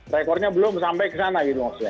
rekornya belum sampai ke sana gitu maksudnya